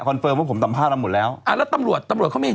คอนเฟิร์มว่าผมตำภาพเราหมดแล้วอ่าแล้วตำหลวดตำหลวดเขาไม่เห็น